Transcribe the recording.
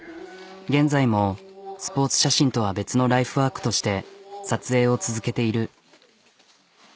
現在もスポーツ写真とは別のライフワークとして撮影を続けている。